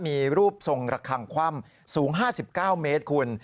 มีรูปทรงระคังคว่ำสูง๕๙เมตรคุณ